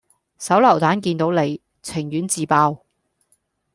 手榴彈見到你，情願自爆